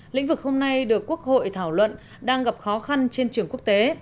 lĩnh vực hôm nay được quốc hội thảo luận đang gặp khó khăn trên trường quốc tế